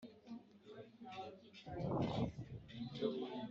naho baba abamarayika bo mu ijuru cyangwa